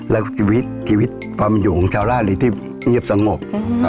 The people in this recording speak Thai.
และวิจีกความอยู่ของชาวร้านอีกที่ง่ำสงบ